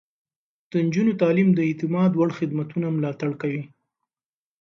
د نجونو تعليم د اعتماد وړ خدمتونه ملاتړ کوي.